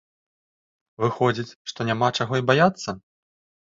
Выходзіць, што няма чаго і баяцца?